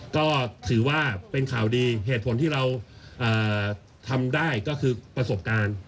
ก็ถือว่าเป็นข่าวดีเหตุผลที่เราทำได้ก็คือประสบการณ์